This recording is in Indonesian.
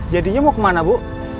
jadinya mau kemana bu